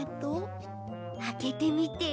あけてみて。